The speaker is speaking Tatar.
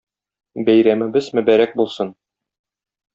Бәйрәмебез мөбарәк булсын!